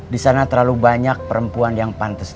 di sana terlalu banyak perempuan yang pantas